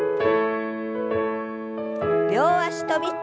両脚跳び。